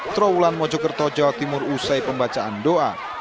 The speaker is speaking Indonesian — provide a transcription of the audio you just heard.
trawulan mojokerto jawa timur usai pembacaan doa